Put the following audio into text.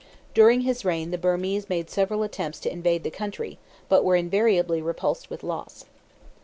During his reign the Birmese made several attempts to invade the country, but were invariably repulsed with loss.